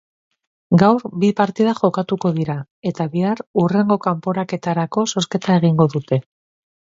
Gaur bi partida jokatuko dira, eta bihar hurrengo kanporaketarako zozketa egingo dute.